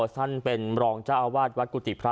ท่านเป็นรองเจ้าอาวาสวัดกุฏิพระ